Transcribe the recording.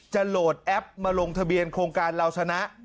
โหลดแอปมาลงทะเบียนโครงการเราชนะ